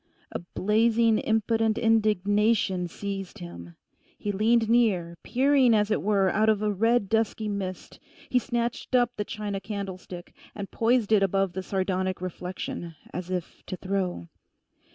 A blazing, impotent indignation seized him. He leaned near, peering as it were out of a red dusky mist. He snatched up the china candlestick, and poised it above the sardonic reflection, as if to throw.